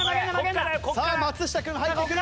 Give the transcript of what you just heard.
さあ松下君入ってくる。